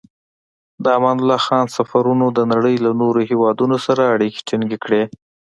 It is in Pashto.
د امان الله خان سفرونو د نړۍ له نورو هېوادونو سره اړیکې ټینګې کړې.